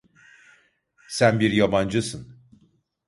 Sen bir yabancısın.